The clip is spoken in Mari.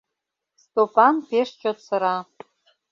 Стопан пеш чот сыра.